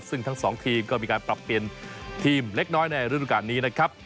ซึ่งทั้งสองทีมก็มีการปรับเปลี่ยนทีมเล็กน้อยในฤดูการนี้นะครับ